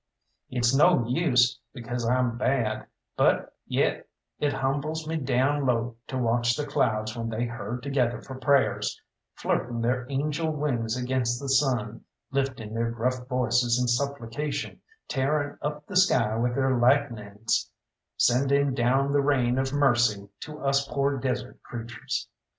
It's no use, because I'm bad, but yet it humbles me down low to watch the clouds when they herd together for prayers, flirting their angel wings against the sun, lifting their gruff voices in supplication, tearing up the sky with their lightnings, sending down the rain of mercy to us poor desert creatures.